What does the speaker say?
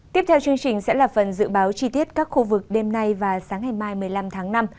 tiếp theo chương trình sẽ là phần dự báo chi tiết các khu vực đêm nay và sáng ngày mai một mươi năm tháng năm